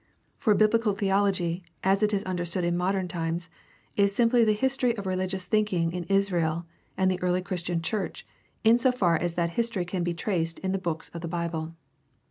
For biblical theology, as it is understood in modern times, is simply the history of religious thinking in Israel and the early Christian church in so far as that history can be traced in the books of the Bible.